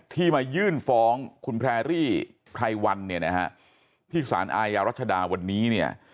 ที่มายื่นฟ้องคุณแพรรี่ไพรวันเนี่ยนะฮะที่สารอาญารัชดาวันนี้เนี่ย